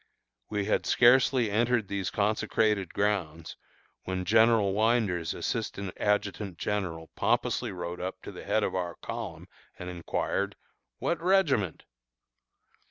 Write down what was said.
We had scarcely entered these consecrated grounds, when General Winder's assistant adjutant general pompously rode up to the head of our column, and inquired, "What regiment?"